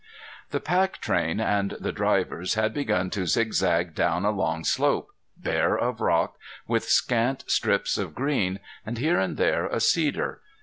The pack train and the drivers had begun to zigzag down a long slope, bare of rock, with scant strips of green, and here and there a cedar.